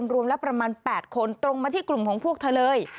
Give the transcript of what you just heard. รวมแล้วประมาณ๘คนตรงมาที่กลุ่มของพวกเธอเลย